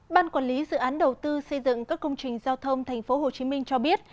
ban quản lý dự án đầu tư xây dựng các công trình giao thông thành phố hồ chí minh cho biết